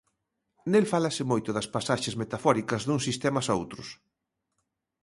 Nel fálase moito das pasaxes metafóricas duns sistemas a outros.